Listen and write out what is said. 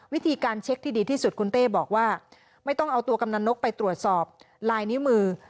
วิธีการเช็คที่ดีที่สุดคุณเต้บอกว่าไม่ต้องเอาตัวกำนันนกไปตรวจสอบลายนิ้วมือ